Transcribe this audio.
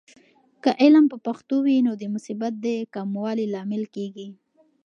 که علم په پښتو وي، نو د مصیبت د کموالي لامل کیږي.